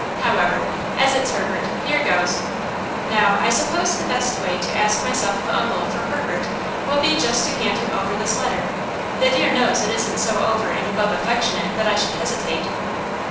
However, as it's Herbert, here goes! Now, I suppose the best way to ask myself of uncle, for Herbert, will be just to hand him over this letter. The dear knows it isn't so over and above affectionate that I should hesitate.